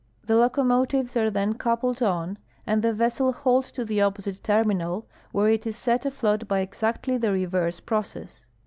The locomotives are then coupled ou and the vessel hauled to the opposite terminal, Avhere it is set afloat by exactly the reverse process.